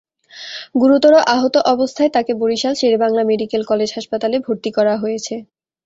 গুরুতর আহত অবস্থায় তাঁকে বরিশাল শেরেবাংলা মেডিকেল কলেজ হাসপাতালে ভর্তি করা হয়েছে।